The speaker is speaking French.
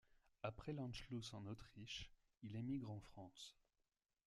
Après l'Anschluss en Autriche, il émigre en France.